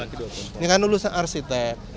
ini kan lulusnya arsitek